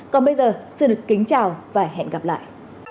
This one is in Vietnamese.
còn bây giờ xin được kính chào và hẹn gặp lại